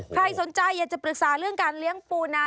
ใครสนใจอยากจะปรึกษาเรื่องการเลี้ยงปูนา